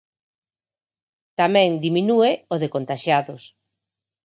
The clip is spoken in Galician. Tamén diminúe o de contaxiados.